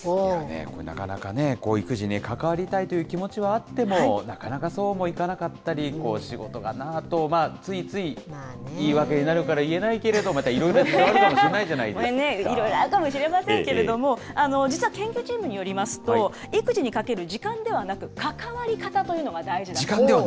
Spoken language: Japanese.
これね、なかなかね、育児に関わりたいという気持ちはあってもなかなかそうもいかなかったり、仕事がなぁと、ついつい言い訳になるから言えないけれど、またいろいろあるかもしれないじゃないこれね、いろいろあるかもしれませんけど、実は研究チームによりますと、育児に関わる時間ではなく、関わり方というのが大事だと。